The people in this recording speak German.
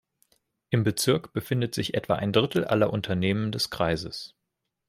Im Bezirk befindet sich etwa ein Drittel aller Unternehmen des Kreises.